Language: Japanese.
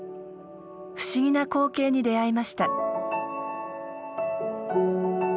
不思議な光景に出会いました。